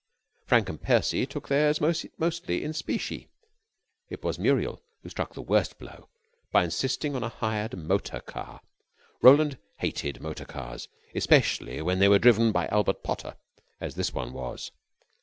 Frank and Percy took theirs mostly in specie. It was Muriel who struck the worst blow by insisting on a hired motor car. Roland hated motor cars, especially when they were driven by Albert Potter, as this one was.